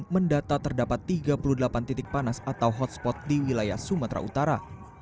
mendata terdapat tiga puluh delapan titik panas atau hotspot di wilayah sumatera utara